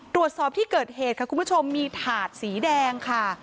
ตรวจสอบที่เกิดเหตุค่ะคุณผู้ชมมีถาดสีแดงค่ะ